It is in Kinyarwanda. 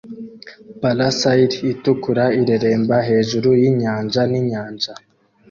Parasail itukura ireremba hejuru yinyanja ninyanja